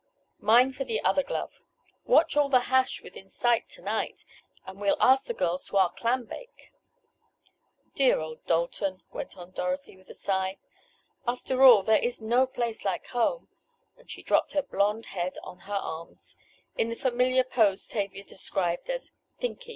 Mine for the other glove. Watch all the hash within sight to night, and we'll ask the girls to our clam bake." "Dear old Dalton," went on Dorothy with a sigh. "After all there is no place like home," and she dropped her blond head on her arms, in the familiar pose Tavia described as "thinky."